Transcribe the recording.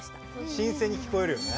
新せんに聞こえるよね。